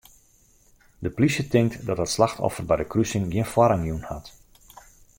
De plysje tinkt dat it slachtoffer by de krusing gjin foarrang jûn hat.